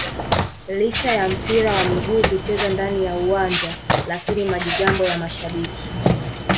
licha ya mpira wa miguu kuchezwa ndani ya uwanja lakini majigambo ya mashabiki